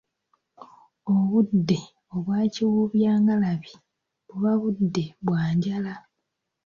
Obudde obwakiwumbyangalabi buba budde bwa njala.